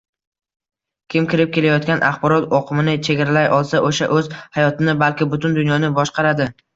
Kim kirib kelayotgan axborot oqimini chegaralay olsa, oʻsha oʻz hayotini, balki butun dunyoni boshqaradi.